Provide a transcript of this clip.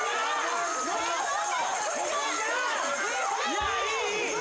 いいいい！